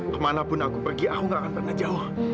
kemana pun aku pergi aku gak akan pernah jauh